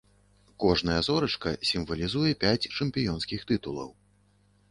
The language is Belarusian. Кожная зорачка сімвалізуе пяць чэмпіёнскіх тытулаў.